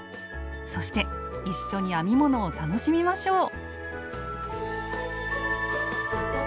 そして一緒に編み物を楽しみましょう！